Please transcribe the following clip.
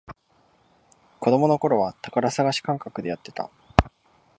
子供のころは宝探し感覚でやってた